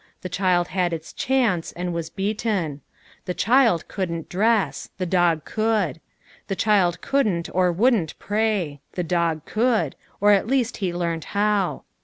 The child had its chance and was beaten. The child couldn't dress: the dog could. The child couldn't or wouldn't pray: the dog could, or at least he learnt how.